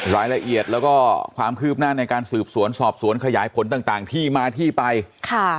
รายละเอียดแล้วก็ความคืบหน้าในการสืบสวนสอบสวนขยายผลต่างต่างที่มาที่ไปค่ะ